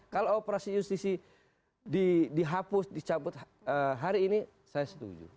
kalau operasi justisi dihapus dicabut hari ini saya setuju